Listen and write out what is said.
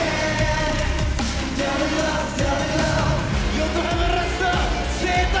横浜ラスト声帯